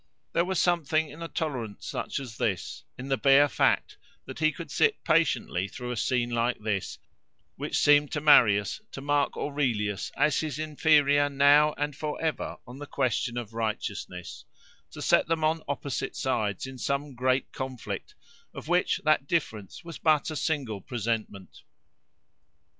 There was something in a tolerance such as this, in the bare fact that he could sit patiently through a scene like this, which seemed to Marius to mark Aurelius as his inferior now and for ever on the question of righteousness; to set them on opposite sides, in some great conflict, of which that difference was but a single presentment.